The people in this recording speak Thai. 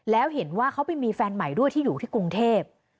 แล้วเห็นว่าเขาไปมีแฟนใหม่ด้วยที่อยู่ที่กรุงเทพ